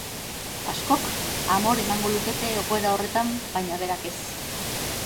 Askok amore emango lukete egoera horretan baina berak ez.